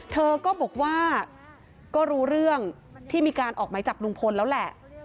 เธอก็บอกว่าก็รู้เรื่องที่มีการออกไหมจับลุงพลแล้วแหละ